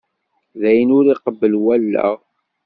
D ayen ur iqebbel wallaɣ!